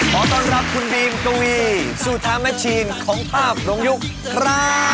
ขอต้อนรับคุณบีมกวีซูธาแมชชีนของภาพลงยุคครับ